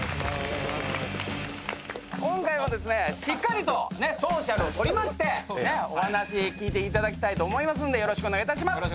今回はですねしっかりとソーシャルを取りましてお話聞いていただきたいと思いますんでよろしくお願いいたします。